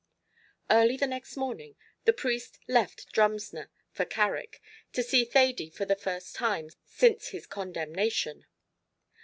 Early the next morning the priest left Drumsna for Carrick, to see Thady for the first time since his condemnation.